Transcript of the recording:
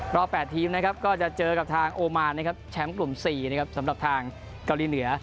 รอบ๘ทีมนะครับก็จะเจอกับทางโอมานนะครับแชมป์กลุ่ม๔นะครับสำหรับทางเกาหลีเหนือ